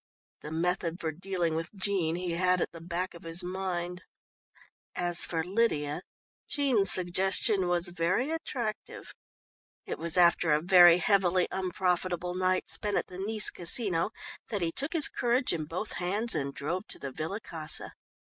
The method for dealing with Jean he had at the back of his mind. As for Lydia Jean's suggestion was very attractive. It was after a very heavily unprofitable night spent at the Nice Casino, that he took his courage in both hands and drove to the Villa Casa.